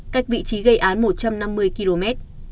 cách vị trí gây án một trăm năm mươi km